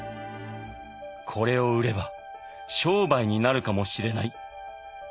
「これを売れば商売になるかもしれない」。